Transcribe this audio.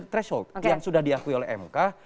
jadi itu threshold yang sudah diakui oleh mk